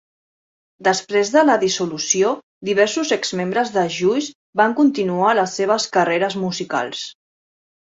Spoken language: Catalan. Després de la dissolució, diversos exmembres de Juice van continuar les seves carreres musicals.